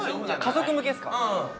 家族向けっすか？